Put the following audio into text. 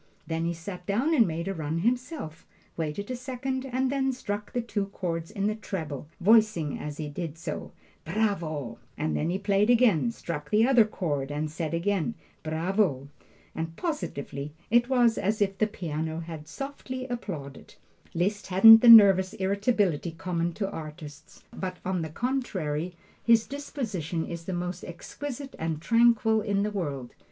'" Then he sat down and made a run himself, waited a second, and then struck the two chords in the treble, saying as he did so, "Bravo!" and then he played again, struck the other chord and said again, "Bravo!" and positively, it was as if the piano had softly applauded. Liszt hasn't the nervous irritability common to artists, but on the contrary his disposition is the most exquisite and tranquil in the world.